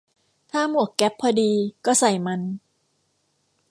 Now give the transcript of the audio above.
ถ้าหมวกแก๊ปพอดี ก็ใส่มัน